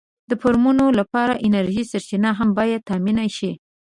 د فارمونو لپاره د انرژۍ سرچینه هم باید تأمېن شي.